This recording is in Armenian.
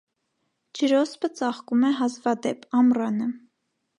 Ջրոսպը ծաղկում է հազվադեպ (ամռանը)։